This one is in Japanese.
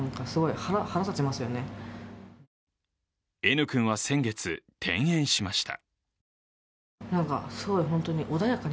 Ｎ君は先月、転園しました。